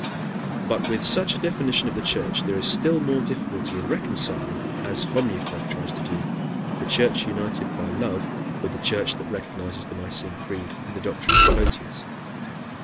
But with such a definition of the church, there is still more difficulty in reconciling, as Homyakov tries to do, the church united by love with the church that recognizes the Nicene Creed and the doctrine of Photius.